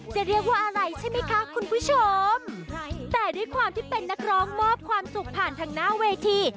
จะเรียกว่าอะไรใช่ไหมคะคุณผู้ชมแต่ด้วยความที่เป็นนักร้องมอบความสุขผ่านทางหน้าเวที